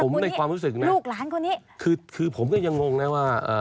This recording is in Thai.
ผมได้ความรู้สึกคือผมก็ยังงงนะว่า